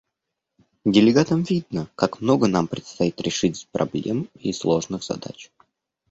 Делегатам видно, как много нам предстоит решить проблем и сложных задач.